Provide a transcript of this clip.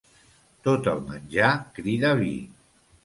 Tot el menjar crida vi.